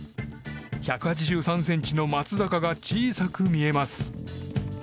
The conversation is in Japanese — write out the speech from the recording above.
１８３ｃｍの松坂が小さく見えます。